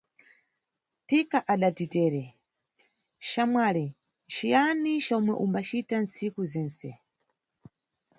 Thika adati tere, xamwali ciyani comwe umbacita tsiku zense?